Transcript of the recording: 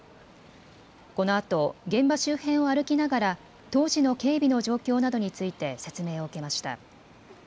このあと現場周辺を歩きながら当時の警備の状況などについて説明を受けました。